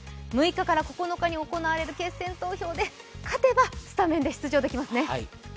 ６日から９日に行われる決選投票で勝てばオールスターに出られますね。